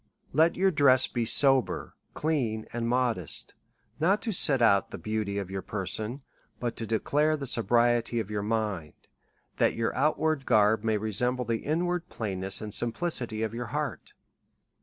Let your dress be sober, clean, and modest, not to set out the beauty of your person, but to declare the sobriety of your mind, that your outward garb may resemble the inward plainness and simplicity of your heart.